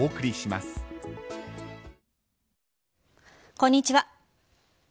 こんにちは。